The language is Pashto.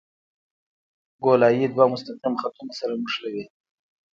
ګولایي دوه مستقیم خطونه سره نښلوي